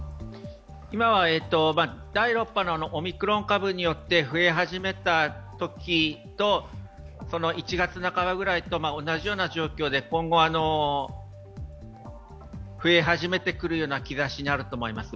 今は、第６波のオミクロン株によって増え始めたときと１月半ばくらいと同じような状況で今後、増え始めてくるような兆しにあると思います。